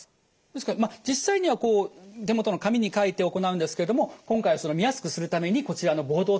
ですが実際にはこう手元の紙に書いて行うんですけれども今回は見やすくするためにこちらのボードを使って行います。